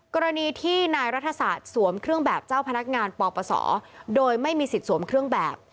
กรณีที่นายรัฐศาสตร์สวมเครื่องแบบเจ้าพนักงานปปศโดยไม่มีสิทธิ์สวมเครื่องแบบ